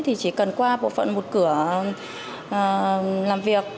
thì chỉ cần qua bộ phận một cửa làm việc